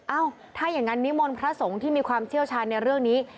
เอ้าถ้าอย่างนั้นนิมนต์พระสงฆ์ที่มีความเชี่ยวชาญในเรื่องนี้